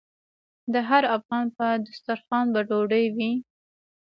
د هر افغان په دسترخان به ډوډۍ وي؟